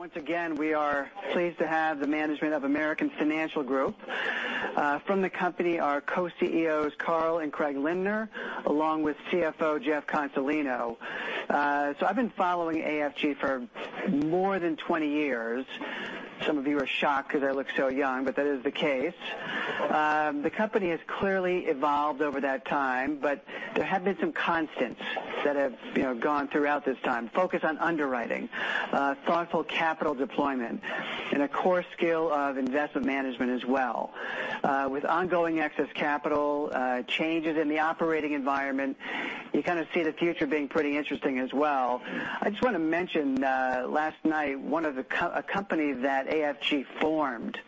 Once again, we are pleased to have the management of American Financial Group. From the company are Co-CEOs, Carl and Craig Lindner, along with CFO Jeff Consolino. I've been following AFG for more than 20 years. Some of you are shocked because I look so young, but that is the case. The company has clearly evolved over that time, but there have been some constants that have gone throughout this time. Focus on underwriting, thoughtful capital deployment, and a core skill of investment management as well. With ongoing excess capital, changes in the operating environment, you kind of see the future being pretty interesting as well. I just want to mention, last night, a company that AFG formed,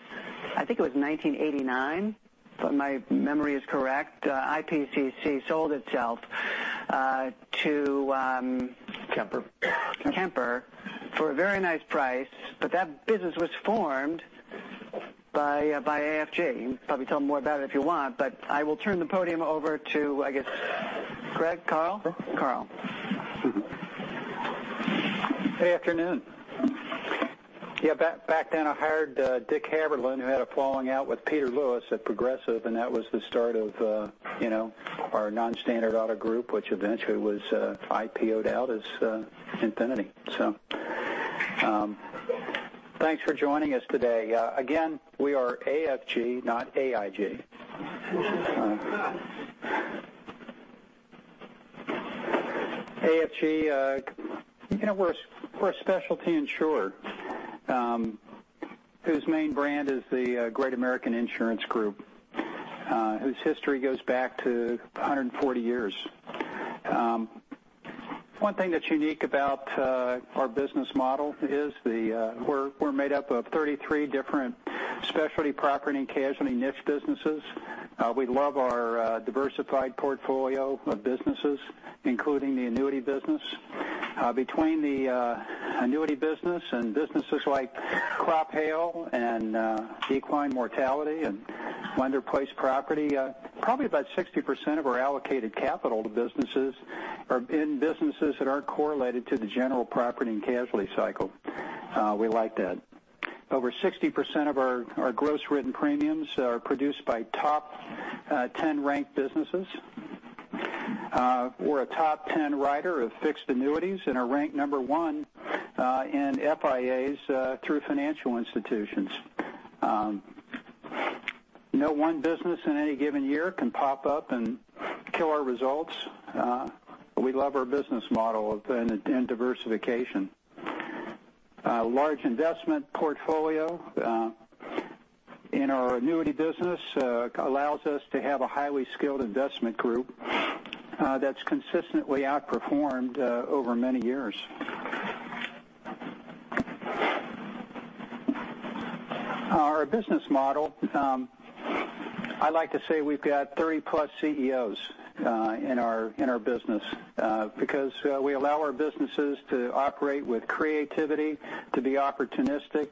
I think it was 1989 if my memory is correct, IPCC sold itself to Kemper Kemper for a very nice price. That business was formed by AFG. You can probably tell more about it if you want, but I will turn the podium over to, I guess, Craig? Carl? Carl. Good afternoon. Yeah, back then I hired Dick Haberlin, who had a falling out with Peter Lewis at Progressive, and that was the start of our non-standard auto group, which eventually was IPO'd out as Infinity. Thanks for joining us today. Again, we are AFG, not AIG. AFG, we're a specialty insurer whose main brand is the Great American Insurance Group, whose history goes back to 140 years. One thing that's unique about our business model is we're made up of 33 different specialty property and casualty niche businesses. We love our diversified portfolio of businesses, including the annuity business. Between the annuity business and businesses like crop-hail and equine mortality and lender placed property, probably about 60% of our allocated capital to businesses are in businesses that aren't correlated to the general property and casualty cycle. We like that. Over 60% of our gross written premiums are produced by top 10 ranked businesses. We're a top 10 writer of fixed annuities and are ranked number 1 in FIAs through financial institutions. No one business in any given year can pop up and kill our results. We love our business model and diversification. Large investment portfolio in our annuity business allows us to have a highly skilled investment group that's consistently outperformed over many years. Our business model, I like to say we've got 30-plus CEOs in our business, because we allow our businesses to operate with creativity, to be opportunistic,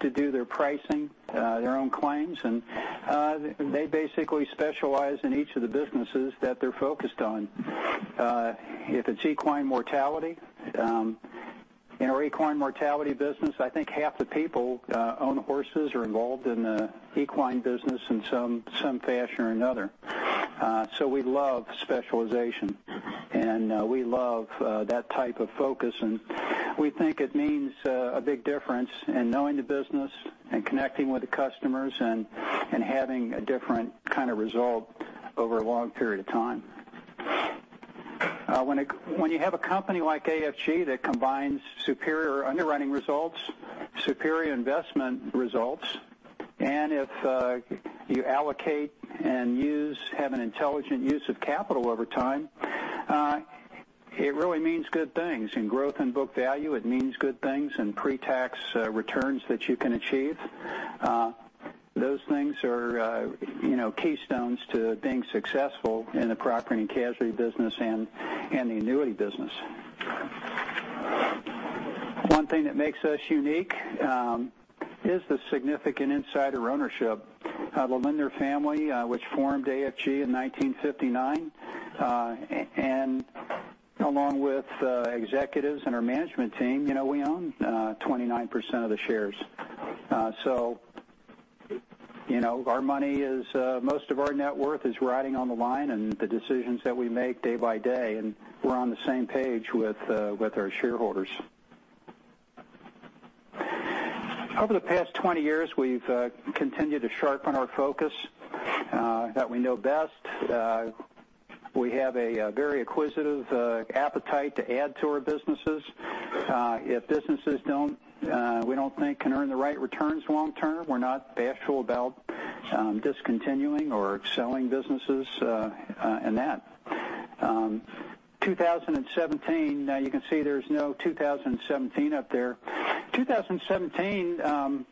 to do their pricing, their own claims, and they basically specialize in each of the businesses that they're focused on. If it's equine mortality, in our equine mortality business, I think half the people own horses, are involved in the equine business in some fashion or another. We love specialization, we love that type of focus, we think it means a big difference in knowing the business and connecting with the customers and having a different kind of result over a long period of time. When you have a company like AFG that combines superior underwriting results, superior investment results, if you allocate and have an intelligent use of capital over time, it really means good things in growth and book value. It means good things in pre-tax returns that you can achieve. Those things are keystones to being successful in the property and casualty business and the annuity business. One thing that makes us unique is the significant insider ownership. The Lindner family, which formed AFG in 1959, along with executives and our management team, we own 29% of the shares. Most of our net worth is riding on the line and the decisions that we make day by day, and we're on the same page with our shareholders. Over the past 20 years, we've continued to sharpen our focus that we know best. We have a very acquisitive appetite to add to our businesses. If businesses we don't think can earn the right returns long term, we're not bashful about discontinuing or selling businesses in that. 2017, you can see there's no 2017 up there. 2017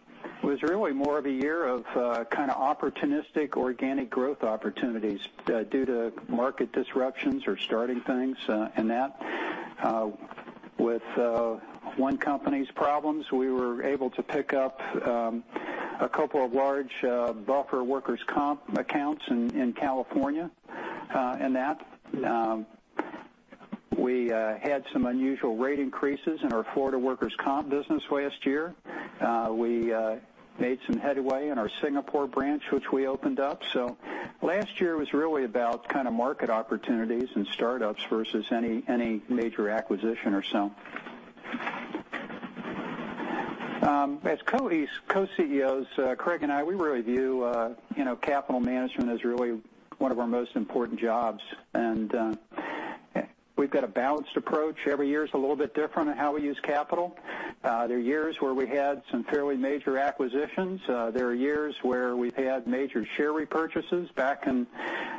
was really more of a year of kind of opportunistic organic growth opportunities due to market disruptions or starting things in that. With one company's problems, we were able to pick up a couple of large buffer workers' comp accounts in California, and that we had some unusual rate increases in our Florida workers' comp business last year. We made some headway in our Singapore branch, which we opened up. Last year was really about kind of market opportunities and startups versus any major acquisition or so. As Co-CEOs, Craig and I, we really view capital management as really one of our most important jobs, we've got a balanced approach. Every year is a little bit different in how we use capital. There are years where we had some fairly major acquisitions. There are years where we've had major share repurchases. Back in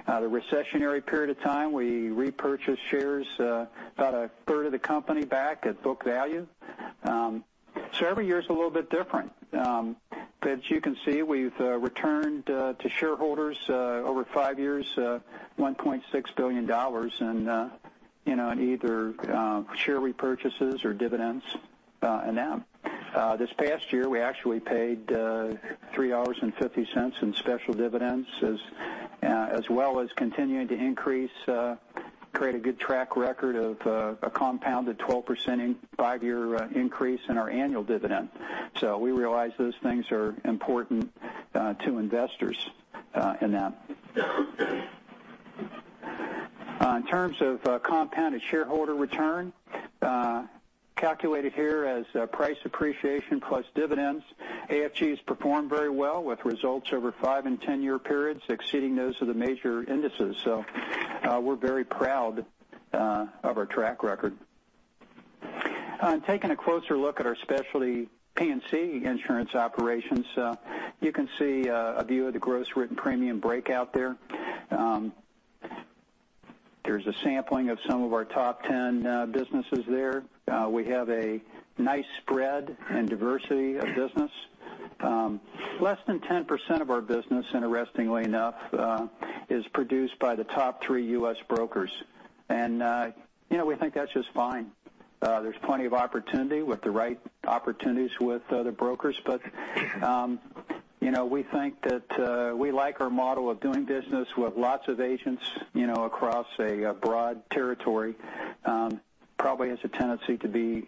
the recessionary period of time, we repurchased shares, about a third of the company back at book value. Every year is a little bit different. As you can see, we've returned to shareholders over five years, $1.6 billion in either share repurchases or dividends, and that. This past year, we actually paid $3.50 in special dividends, as well as continuing to increase, create a good track record of a compounded 12% in five-year increase in our annual dividend. We realize those things are important to investors in that. In terms of compounded shareholder return, calculated here as price appreciation plus dividends, AFG has performed very well with results over five and 10-year periods exceeding those of the major indices. We're very proud of our track record. Taking a closer look at our specialty P&C insurance operations, you can see a view of the gross written premium breakout there. There's a sampling of some of our top 10 businesses there. We have a nice spread and diversity of business. Less than 10% of our business, interestingly enough, is produced by the top three U.S. brokers. We think that's just fine. There's plenty of opportunity with the right opportunities with other brokers. We think that we like our model of doing business with lots of agents across a broad territory, probably has a tendency to be.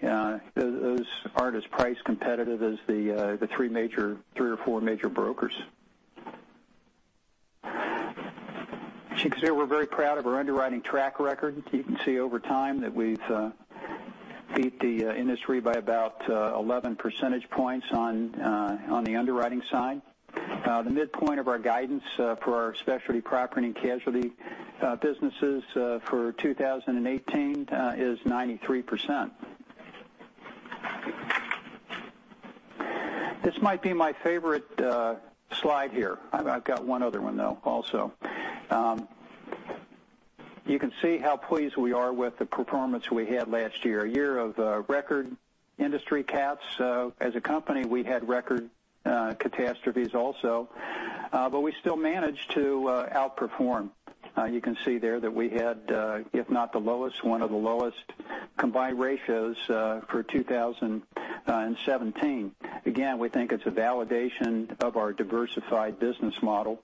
Those aren't as price competitive as the three or four major brokers. As you can see, we're very proud of our underwriting track record. You can see over time that we've beat the industry by about 11 percentage points on the underwriting side. The midpoint of our guidance for our Specialty Property and Casualty businesses for 2018 is 93%. This might be my favorite slide here. I've got one other one, though, also. You can see how pleased we are with the performance we had last year, a year of record industry cats. As a company, we had record catastrophes also, but we still managed to outperform. You can see there that we had, if not the lowest, one of the lowest combined ratios for 2017. We think it's a validation of our diversified business model,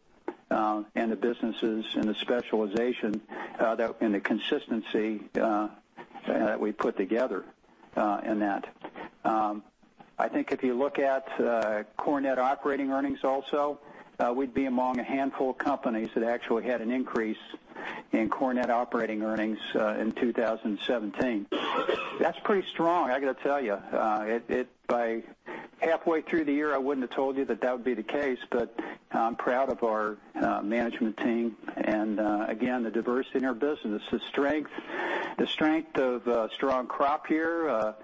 and the businesses and the specialization and the consistency that we put together in that. If you look at core net operating earnings also, we'd be among a handful of companies that actually had an increase in core net operating earnings in 2017. That's pretty strong, I got to tell you. By halfway through the year, I wouldn't have told you that that would be the case, but I'm proud of our management team, and again, the diversity in our business, the strength of a strong crop here,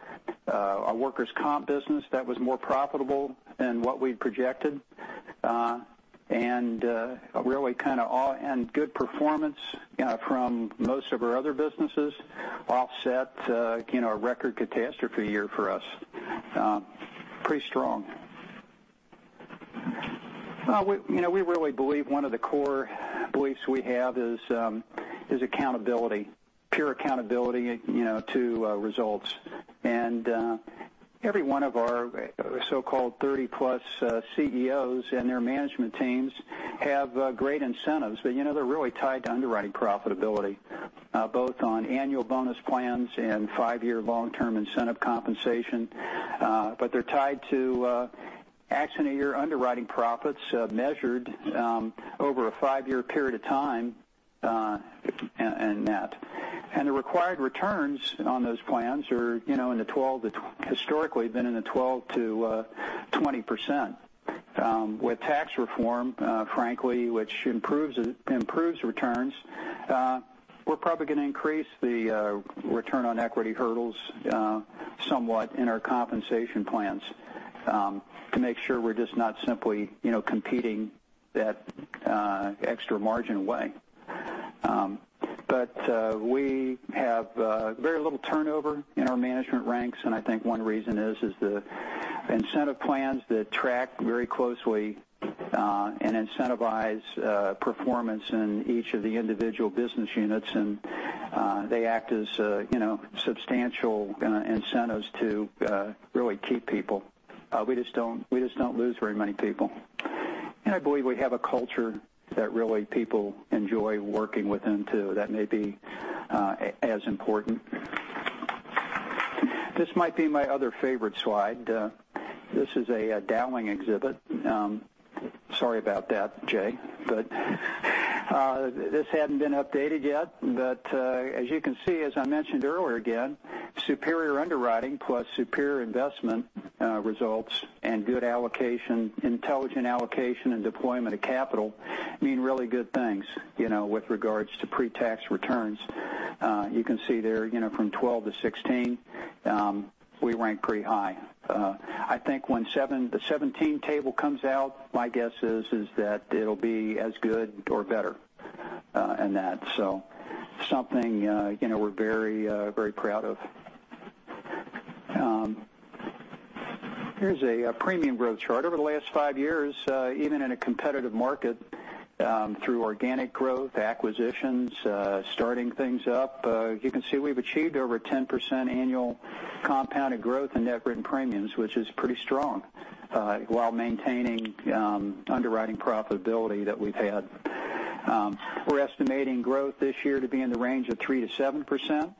our workers' comp business that was more profitable than what we'd projected, and really kind of all and good performance from most of our other businesses offset a record catastrophe year for us. Pretty strong. We really believe one of the core beliefs we have is accountability, pure accountability to results. Every one of our so-called 30-plus CEOs and their management teams have great incentives. They're really tied to underwriting profitability both on annual bonus plans and five-year long-term incentive compensation. They're tied to action a year underwriting profits measured over a five-year period of time in that. The required returns on those plans are historically been in the 12%-20%. With tax reform, frankly, which improves returns, we're probably going to increase the return on equity hurdles somewhat in our compensation plans to make sure we're just not simply competing that extra margin away. We have very little turnover in our management ranks, and I think one reason is the incentive plans that track very closely and incentivize performance in each of the individual business units, and they act as substantial incentives to really keep people. We just don't lose very many people. I believe we have a culture that really people enjoy working within, too. That may be as important. This might be my other favorite slide. This is a Dowling exhibit. Sorry about that, Jay, but this hadn't been updated yet. As you can see, as I mentioned earlier again, superior underwriting plus superior investment results and good allocation, intelligent allocation, and deployment of capital mean really good things with regards to pre-tax returns. You can see there, from 2012-2016, we rank pretty high. I think when the 2017 table comes out, my guess is that it'll be as good or better in that. Something we're very proud of. Here's a premium growth chart. Over the last five years, even in a competitive market, through organic growth, acquisitions, starting things up, you can see we've achieved over 10% annual compounded growth in net written premiums, which is pretty strong, while maintaining underwriting profitability that we've had. We're estimating growth this year to be in the range of 3%-7%.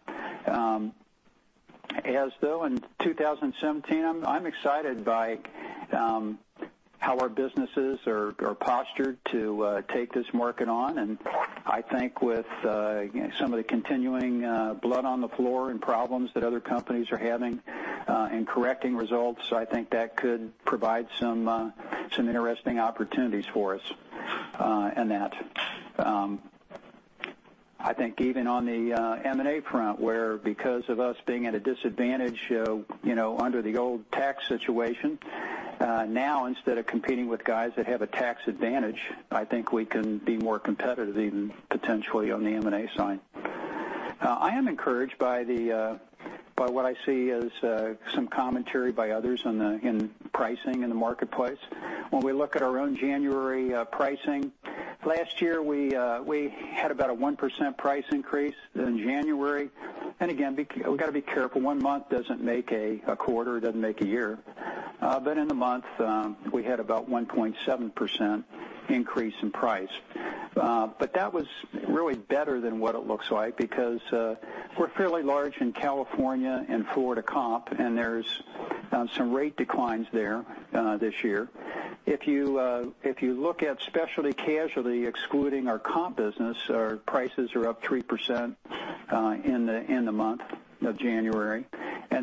In 2017, I'm excited by how our businesses are postured to take this market on. I think with some of the continuing blood on the floor and problems that other companies are having in correcting results, I think that could provide some interesting opportunities for us in that. I think even on the M&A front, where because of us being at a disadvantage under the old tax situation, now instead of competing with guys that have a tax advantage, I think we can be more competitive even potentially on the M&A side. I am encouraged by what I see as some commentary by others in pricing in the marketplace. When we look at our own January pricing, last year, we had about a 1% price increase in January. Again, we've got to be careful. One month doesn't make a quarter, it doesn't make a year. In the month, we had about 1.7% increase in price. That was really better than what it looks like because we're fairly large in California and Florida comp, and there's some rate declines there this year. If you look at specialty casualty, excluding our comp business, our prices are up 3% in the month of January.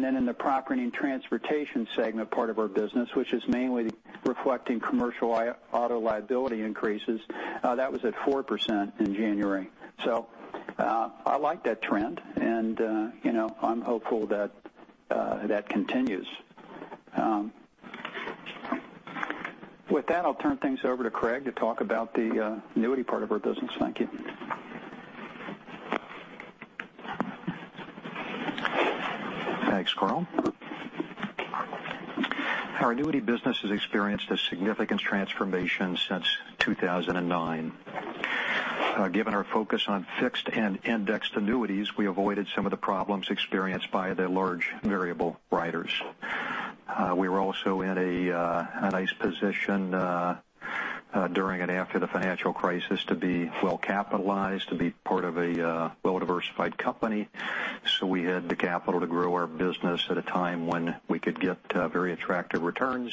In the property and transportation segment part of our business, which is mainly reflecting commercial auto liability increases, that was at 4% in January. I like that trend, and I'm hopeful that continues. With that, I'll turn things over to Craig to talk about the annuity part of our business. Thank you. Thanks, Carl. Our annuity business has experienced a significant transformation since 2009. Given our focus on fixed and indexed annuities, we avoided some of the problems experienced by the large variable writers. We were also in a nice position during and after the financial crisis to be well-capitalized, to be part of a well-diversified company. We had the capital to grow our business at a time when we could get very attractive returns,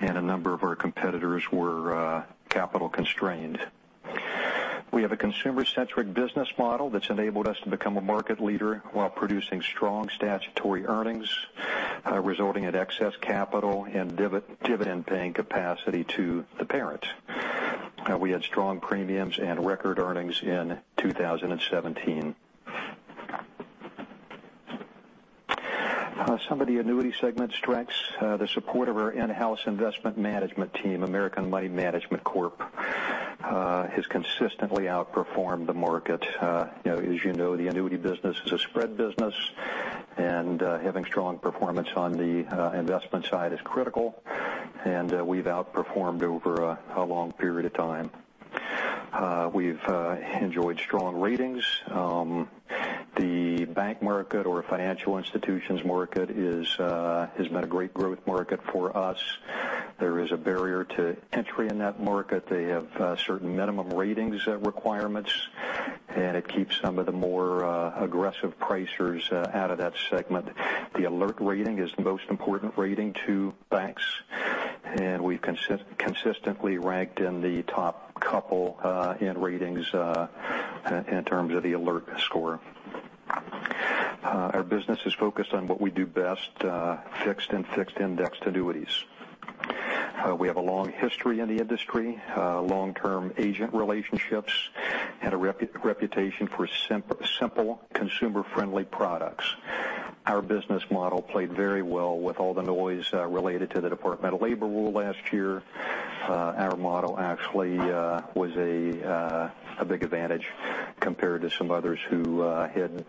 and a number of our competitors were capital constrained. We have a consumer-centric business model that's enabled us to become a market leader while producing strong statutory earnings, resulting in excess capital and dividend-paying capacity to the parent. We had strong premiums and record earnings in 2017. Some of the annuity segment strengths, the support of our in-house investment management team, American Money Management Corp, has consistently outperformed the market. As you know, the annuity business is a spread business, having strong performance on the investment side is critical, and we've outperformed over a long period of time. We've enjoyed strong ratings. The bank market or financial institutions market has been a great growth market for us. There is a barrier to entry in that market. They have certain minimum ratings requirements, and it keeps some of the more aggressive pricers out of that segment. The ALIRT rating is the most important rating to banks, we've consistently ranked in the top couple in ratings in terms of the alert score. Our business is focused on what we do best, fixed and fixed-indexed annuities. We have a long history in the industry, long-term agent relationships, and a reputation for simple, consumer-friendly products. Our business model played very well with all the noise related to the Department of Labor rule last year. Our model actually was a big advantage compared to some others who had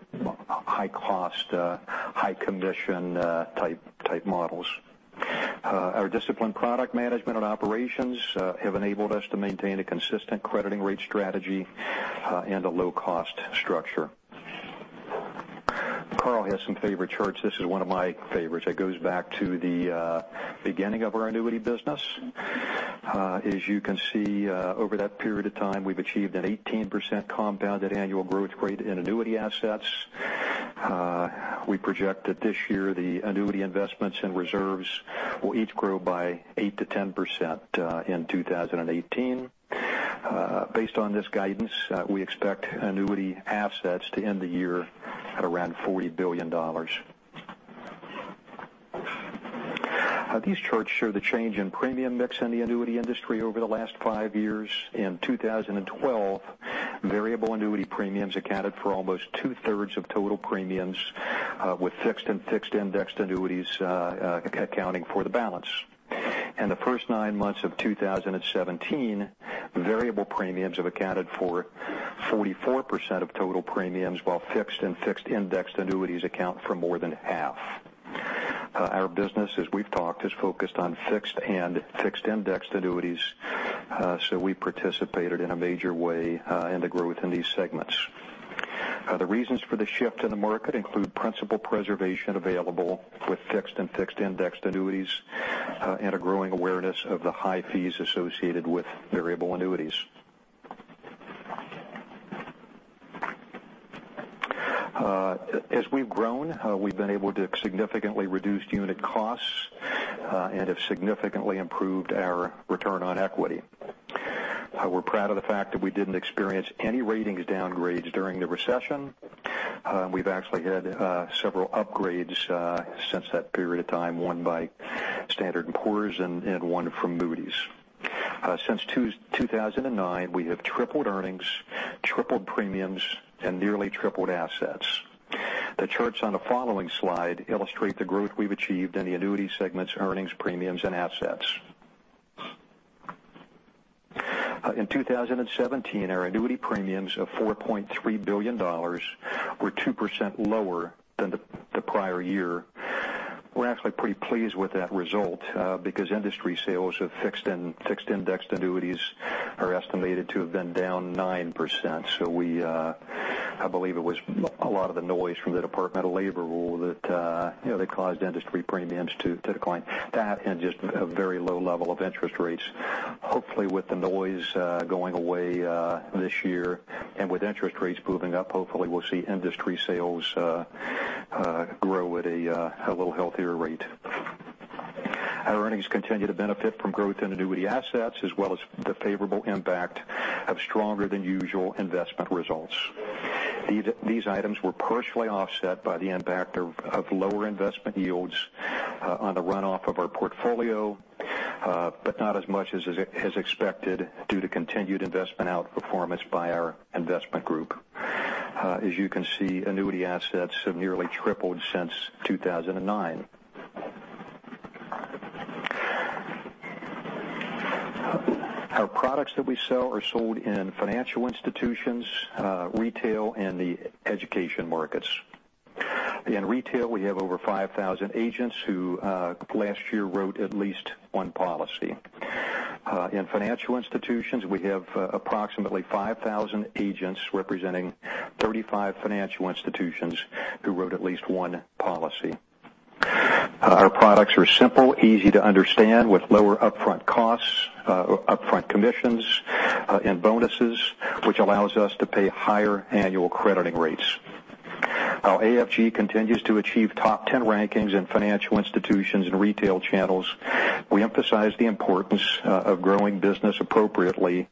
high cost, high commission type models. Our disciplined product management and operations have enabled us to maintain a consistent crediting rate strategy and a low-cost structure. Carl has some favorite charts. This is one of my favorites that goes back to the beginning of our annuity business. As you can see, over that period of time, we've achieved an 18% compounded annual growth rate in annuity assets. We project that this year the annuity investments and reserves will each grow by 8%-10% in 2018. Based on this guidance, we expect annuity assets to end the year at around $40 billion. These charts show the change in premium mix in the annuity industry over the last five years. In 2012, variable annuity premiums accounted for almost two-thirds of total premiums, with fixed and fixed-indexed annuities accounting for the balance. In the first nine months of 2017, variable premiums have accounted for 44% of total premiums, while fixed and fixed-indexed annuities account for more than half. Our business, as we've talked, is focused on fixed and fixed-indexed annuities, so we participated in a major way in the growth in these segments. The reasons for the shift in the market include principal preservation available with fixed and fixed-indexed annuities and a growing awareness of the high fees associated with variable annuities. As we've grown, we've been able to significantly reduce unit costs and have significantly improved our return on equity. We're proud of the fact that we didn't experience any ratings downgrades during the recession. We've actually had several upgrades since that period of time, one by Standard & Poor's and one from Moody's. Since 2009, we have tripled earnings, tripled premiums, and nearly tripled assets. The charts on the following slide illustrate the growth we've achieved in the annuity segment's earnings, premiums, and assets. In 2017, our annuity premiums of $4.3 billion were 2% lower than the prior year. We're actually pretty pleased with that result because industry sales of fixed and fixed-indexed annuities are estimated to have been down 9%. I believe it was a lot of the noise from the Department of Labor rule that caused industry premiums to decline. That just a very low level of interest rates. Hopefully, with the noise going away this year and with interest rates moving up, hopefully we'll see industry sales grow at a little healthier rate. Our earnings continue to benefit from growth in annuity assets as well as the favorable impact of stronger than usual investment results. These items were partially offset by the impact of lower investment yields on the runoff of our portfolio, but not as much as expected due to continued investment outperformance by our investment group. As you can see, annuity assets have nearly tripled since 2009. Our products that we sell are sold in financial institutions, retail, and the education markets. In retail, we have over 5,000 agents who last year wrote at least one policy. In financial institutions, we have approximately 5,000 agents representing 35 financial institutions who wrote at least one policy. Our products are simple, easy to understand with lower upfront costs, upfront commissions, and bonuses, which allows us to pay higher annual crediting rates. While AFG continues to achieve top 10 rankings in financial institutions and retail channels, we emphasize the importance of growing business appropriately,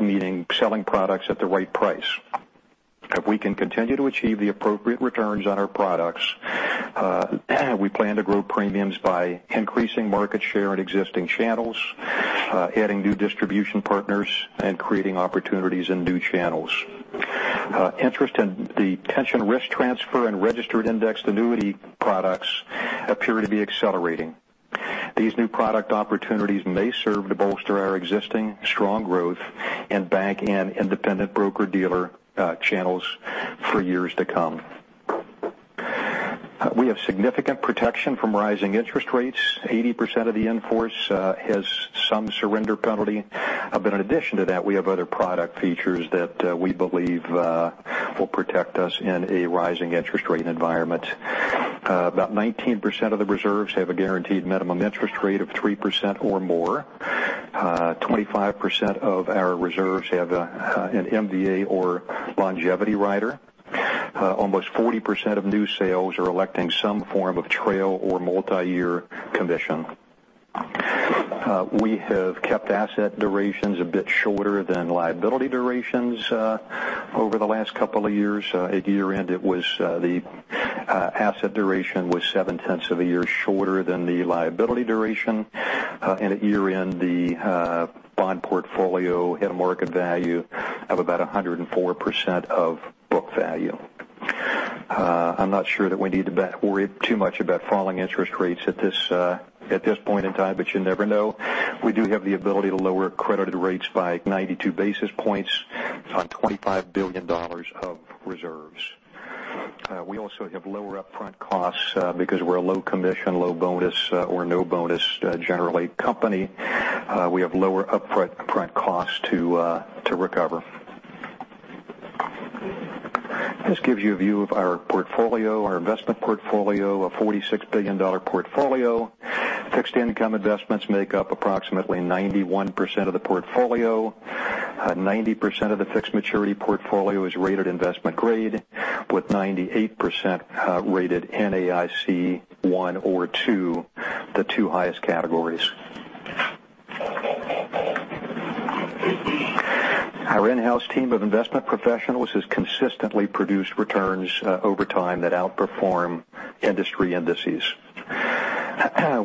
meaning selling products at the right price. If we can continue to achieve the appropriate returns on our products, we plan to grow premiums by increasing market share in existing channels, adding new distribution partners, and creating opportunities in new channels. Interest in the pension risk transfer and registered indexed annuity products appear to be accelerating. These new product opportunities may serve to bolster our existing strong growth in bank and independent broker-dealer channels for years to come. We have significant protection from rising interest rates. 80% of the in-force has some surrender penalty. In addition to that, we have other product features that we believe will protect us in a rising interest rate environment. About 19% of the reserves have a guaranteed minimum interest rate of 3% or more. 25% of our reserves have an MVA or longevity rider. Almost 40% of new sales are electing some form of trail or multi-year commission. We have kept asset durations a bit shorter than liability durations over the last couple of years. At year end, the asset duration was seven tenths of a year shorter than the liability duration. At year end, the bond portfolio hit a market value of about 104% of book value. I'm not sure that we need to worry too much about falling interest rates at this point in time, but you never know. We do have the ability to lower credited rates by 92 basis points on $25 billion of reserves. We also have lower upfront costs because we're a low commission, low bonus, or no bonus, generally, company. We have lower upfront costs to recover. This gives you a view of our portfolio, our investment portfolio, a $46 billion portfolio. Fixed income investments make up approximately 91% of the portfolio. 90% of the fixed maturity portfolio is rated investment grade, with 98% rated NAIC 1 or 2, the two highest categories. Our in-house team of investment professionals has consistently produced returns over time that outperform industry indices.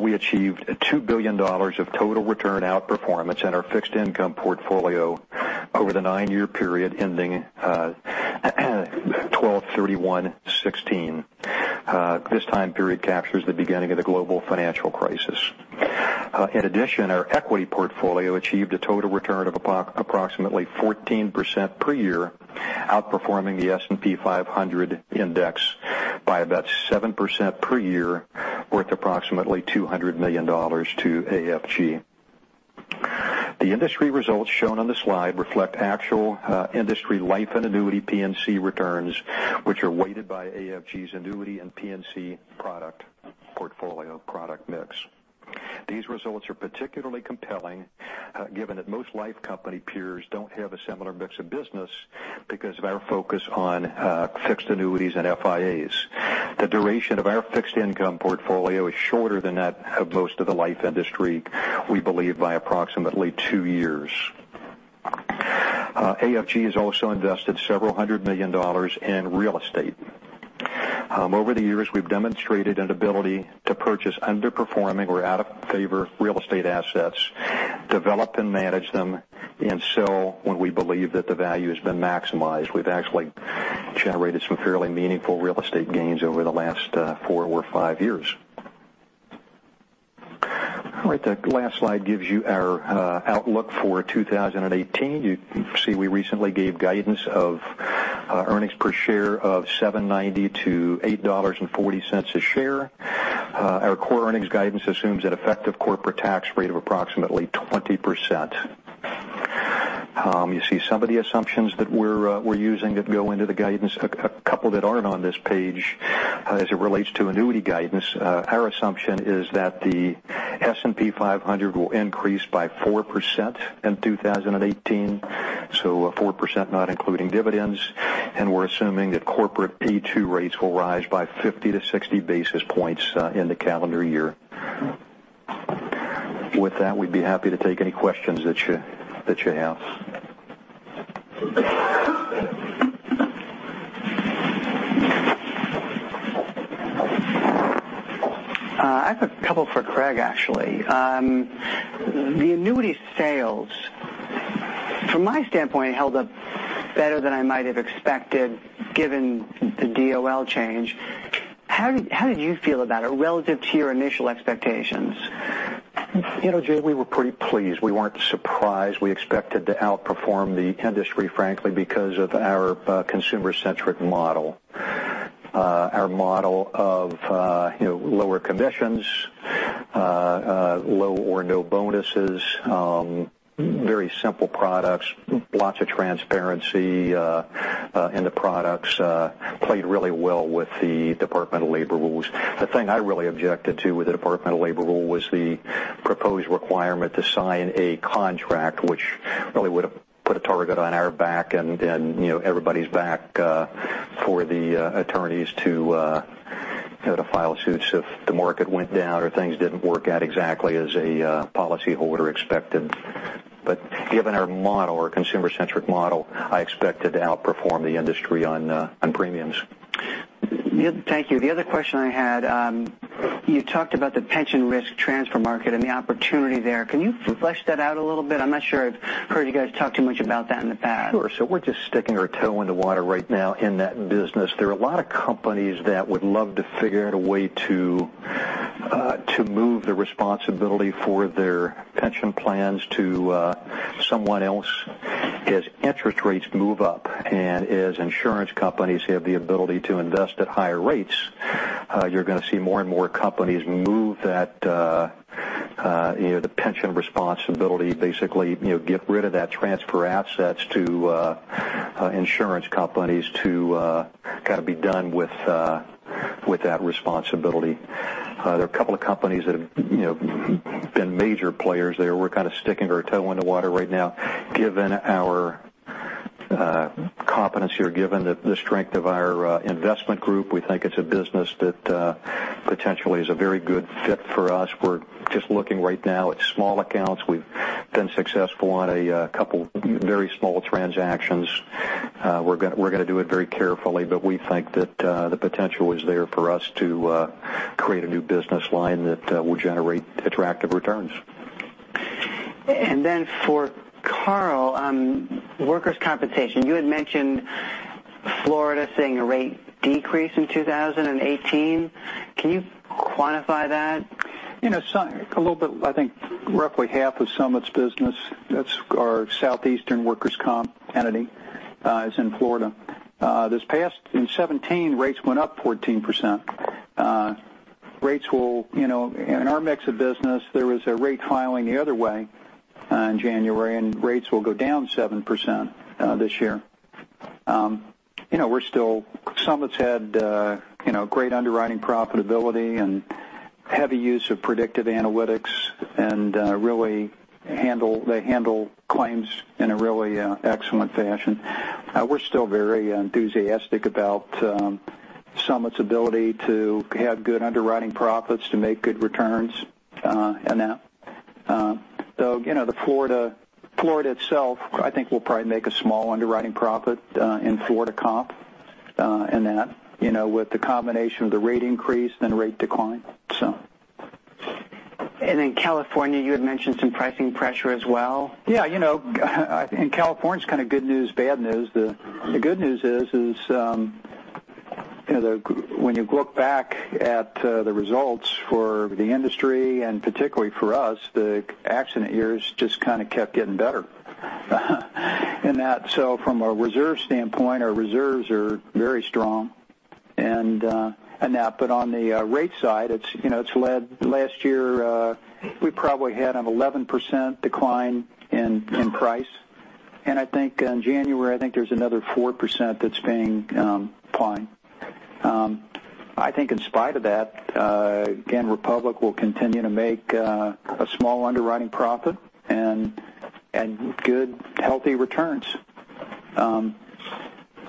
We achieved $2 billion of total return outperformance in our fixed income portfolio over the nine-year period ending 12/31/2016. This time period captures the beginning of the global financial crisis. In addition, our equity portfolio achieved a total return of approximately 14% per year, outperforming the S&P 500 index by about 7% per year, worth approximately $200 million to AFG. The industry results shown on the slide reflect actual industry life and annuity P&C returns, which are weighted by AFG's annuity and P&C product portfolio product mix. These results are particularly compelling given that most life company peers don't have a similar mix of business because of our focus on fixed annuities and FIAs. The duration of our fixed income portfolio is shorter than that of most of the life industry, we believe, by approximately two years. AFG has also invested several hundred million dollars in real estate. Over the years, we've demonstrated an ability to purchase underperforming or out-of-favor real estate assets, develop and manage them, and sell when we believe that the value has been maximized. We've actually generated some fairly meaningful real estate gains over the last four or five years. All right, the last slide gives you our outlook for 2018. You see we recently gave guidance of earnings per share of $7.90-$8.40 a share. Our core earnings guidance assumes an effective corporate tax rate of approximately 20%. You see some of the assumptions that we're using that go into the guidance. A couple that aren't on this page as it relates to annuity guidance. We're assuming that the S&P 500 will increase by 4% in 2018, so 4% not including dividends. We're assuming that corporate P/E to rates will rise by 50-60 basis points in the calendar year. With that, we'd be happy to take any questions that you have. I have a couple for Craig, actually. The annuity sales, from my standpoint, held up better than I might have expected given the DOL change. How did you feel about it relative to your initial expectations? Jay, we were pretty pleased. We weren't surprised. We expected to outperform the industry, frankly, because of our consumer-centric model. Our model of lower commissions, low or no bonuses, very simple products, lots of transparency in the products played really well with the Department of Labor rules. The thing I really objected to with the Department of Labor rule was the proposed requirement to sign a contract, which really would have put a target on our back and everybody's back for the attorneys to file suits if the market went down or things didn't work out exactly as a policyholder expected. Given our model, our consumer-centric model, I expected to outperform the industry on premiums. Thank you. The other question I had, you talked about the pension risk transfer market and the opportunity there. Can you flesh that out a little bit? I'm not sure I've heard you guys talk too much about that in the past. Sure. We're just sticking our toe in the water right now in that business. There are a lot of companies that would love to figure out a way to move the responsibility for their pension plans to someone else. As interest rates move up and as insurance companies have the ability to invest at higher rates, you're going to see more and more companies move the pension responsibility, basically get rid of that, transfer assets to insurance companies to kind of be done with that responsibility. There are a couple of companies that have been major players there. We're kind of sticking our toe in the water right now, given our competency or given the strength of our investment group. We think it's a business that potentially is a very good fit for us. We're just looking right now at small accounts. We've been successful on a couple very small transactions. We're going to do it very carefully. We think that the potential is there for us to create a new business line that will generate attractive returns. For Carl, workers' compensation. You had mentioned Florida seeing a rate decrease in 2018. Can you quantify that? A little bit, I think roughly half of Summit's business, that's our Southeastern workers' comp entity is in Florida. This past, in 2017, rates went up 14%. In our mix of business, there was a rate filing the other way in January, rates will go down 7% this year. Summit's had great underwriting profitability and heavy use of predictive analytics and they handle claims in a really excellent fashion. We're still very enthusiastic about Summit's ability to have good underwriting profits, to make good returns in that. Florida itself, I think we'll probably make a small underwriting profit in Florida comp in that with the combination of the rate increase, then rate decline. In California, you had mentioned some pricing pressure as well? In California, it's kind of good news, bad news. The good news is when you look back at the results for the industry, and particularly for us, the accident years just kind of kept getting better, and that. From a reserve standpoint, our reserves are very strong in that. On the rate side, last year we probably had an 11% decline in price, and I think in January, I think there's another 4% that's being applied. I think in spite of that, again, Republic will continue to make a small underwriting profit and good, healthy returns.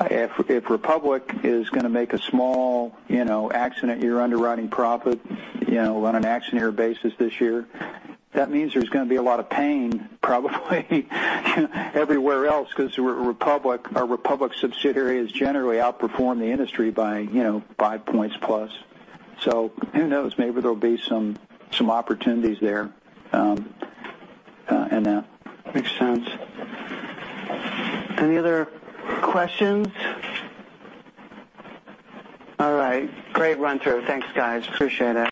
If Republic is going to make a small accident year underwriting profit on an accident year basis this year, that means there's going to be a lot of pain probably everywhere else because our Republic subsidiaries generally outperform the industry by five points plus. Who knows? Maybe there'll be some opportunities there in that. Makes sense. Any other questions? All right. Great run-through. Thanks, guys. Appreciate it.